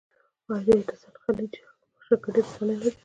آیا د هډسن خلیج شرکت ډیر پخوانی نه دی؟